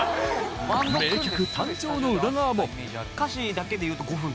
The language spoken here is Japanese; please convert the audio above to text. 名曲誕生の裏側もえっ！